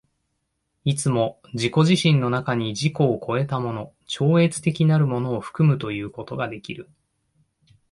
いつも自己自身の中に自己を越えたもの、超越的なるものを含むということができる。